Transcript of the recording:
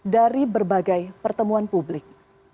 dari berbagai pertemuan publik